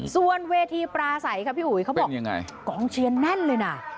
ส่วนเวทีปลาใสค่ะพี่อุ๋ยเขาบอกกองเชียนนั่นเลยน่ะ